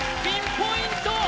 ピンポイント